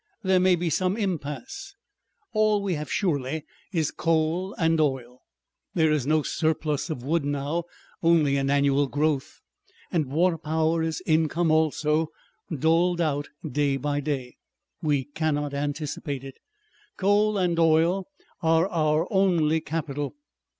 There may be some impasse. All we have surely is coal and oil, there is no surplus of wood now only an annual growth. And water power is income also, doled out day by day. We cannot anticipate it. Coal and oil are our only capital.